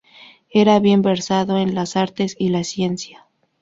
Era bien versado en las artes y la ciencia.